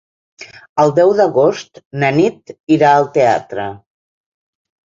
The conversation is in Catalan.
El deu d'agost na Nit irà al teatre.